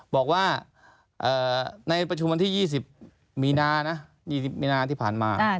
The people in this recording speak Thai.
บอกว่าในประชุมที่๒๐มีนะที่ผ่านมา